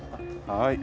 はい。